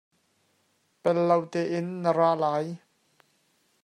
Pello tein na ra lai.